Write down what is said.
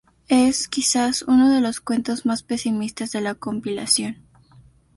Es, quizás, uno de los cuentos más pesimistas de la compilación.